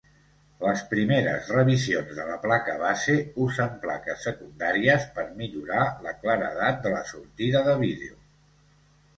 Les primeres revisions de la placa base usen plaques secundaries per millorar la claredat de la sortida de vídeo.